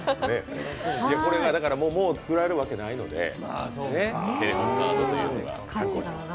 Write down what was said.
これがもう作られるわけないので、テレホンカードが。